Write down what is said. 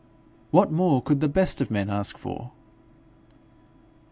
'What more could the best of men ask for?'